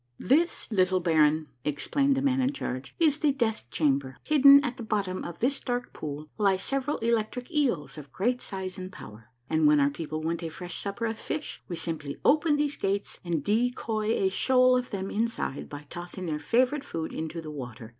" This, little baron," explained the man in charge, " is the death chamber. Hidden at the bottom of this dark pool lie several electric eels of great size and power, and when our peo ple want a fresh supper of fish we simply open these gates and decoy a shoal of them inside by tossing their favorite food into the water.